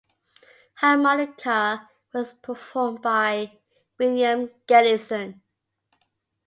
Harmonica was performed by William Galison.